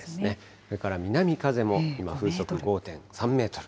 それから南風も今、風速５．３メートル。